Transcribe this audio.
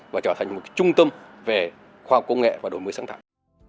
và trở thành một trung tâm về khoa học công nghệ và đổi mới sáng tạo